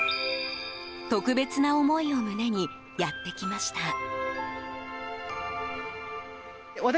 特別な思いを胸にやってきました。